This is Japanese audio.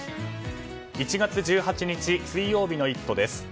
１月１８日、水曜日の「イット！」です。